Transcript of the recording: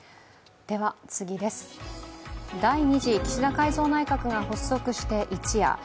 第二次岸田改造内閣が発足して一夜。